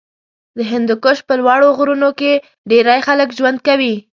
د هندوکش په لوړو غرونو کې ډېری خلک ژوند کوي.